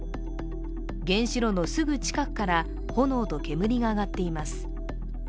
原子炉のすぐ近くから炎と煙が上がっています。